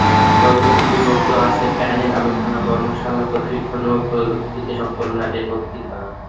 কর্মসূচির মধ্যে আছে প্যানেল আলোচনা, কর্মশালা, প্রশিক্ষণ এবং প্রযুক্তিতে সফল নারীদের বক্তৃতা।